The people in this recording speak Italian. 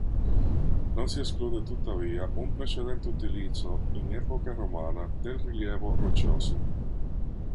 Non si esclude tuttavia un precedente utilizzo in epoca romana del rilievo roccioso.